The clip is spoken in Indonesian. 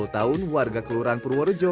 empat puluh tahun warga kelurahan purworejo